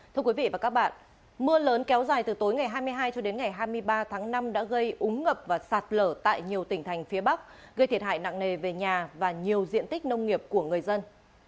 thưa quý vị và các bạn mưa lớn kéo dài từ tối ngày hai mươi hai cho đến ngày hai mươi ba tháng năm đã gây úng ngập và sạt lở tại nhiều tỉnh thành phía bắc gây thiệt hại nặng nề về nhà và nhiều diện tích nông nghiệp của người dân